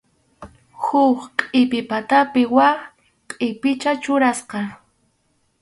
Huk qʼipi patapi wak qʼipicha churasqa.